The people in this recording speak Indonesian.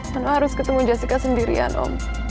tanpa harus ketemu jessica sendirian om